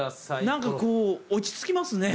何かこう落ち着きますね。